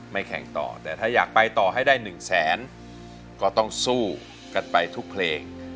แข่งต่อแต่ถ้าอยากไปต่อให้ได้หนึ่งแสนก็ต้องสู้กันไปทุกเพลง